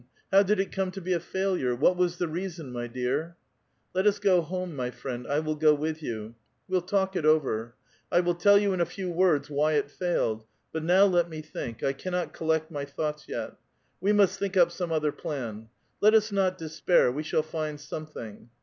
How did it come to be a failure? What was the reason, mv dear?" '* Let us go home, my friend ; I will go with you. We'll talk it over. I will tell you in a few words why it failed : but now let me think ; I cannot collect my thoughts yet. We must think up some other plan. Let us not despair ; we shall find something."